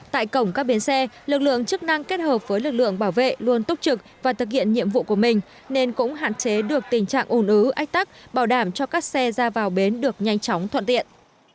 tại cổng các biến xe lực lượng chức năng kết hợp với lực lượng bảo vệ luôn túc trực và thực hiện nhiệm vụ của mình nên cũng hạn chế được tình trạng ủn ứ ách tắc bảo đảm cho các xe ra vào bến được nhanh chóng thuận tiện